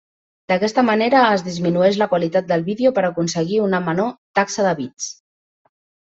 D'aquesta manera es disminueix la qualitat del vídeo per aconseguir una menor taxa de bits.